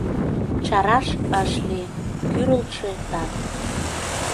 Чараш ыш лий — кӱрылтшӧ тат.